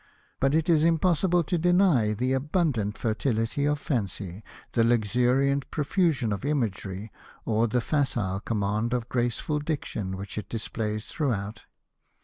^ But it is impossible to deny the abundant fertility of fancy, the luxuriant profusion of imagery, or the facile command of grace ful diction which is displayed throughout.